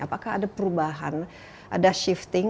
apakah ada perubahan ada shifting